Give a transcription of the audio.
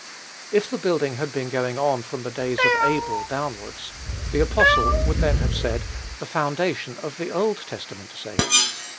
If the building had been going on from the days of Abel downwards, the apostle would then have said, "the foundation of the Old Testament saints."